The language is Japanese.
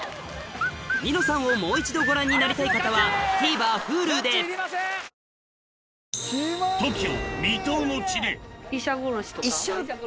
『ニノさん』をもう一度ご覧になりたい方はＴＶｅｒＨｕｌｕで今回は山崎製パンを。